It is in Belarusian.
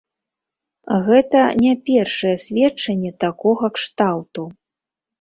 Гэта не першае сведчанне такога кшталту.